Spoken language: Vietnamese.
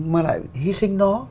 mà lại hy sinh nó